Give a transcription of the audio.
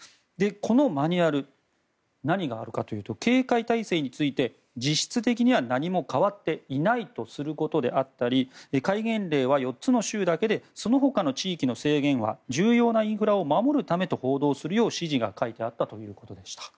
このマニュアル何があるかというと警戒体制について実質的には何も変わっていないとすることであったり戒厳令は４つの州だけでその他の地域の制限は重要なインフラを守るためと報道するよう指示が書いてあったということでした。